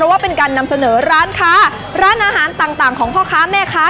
ว่าเป็นการนำเสนอร้านค้าร้านอาหารต่างของพ่อค้าแม่ค้า